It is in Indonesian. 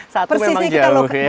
satu memang jauh ya